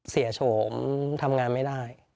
เสียโฉมทำงานไม่ได้